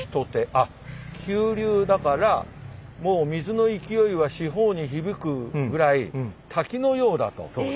あっ急流だからもう水の勢いは四方に響くぐらい滝のようだと。